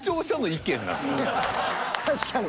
確かに。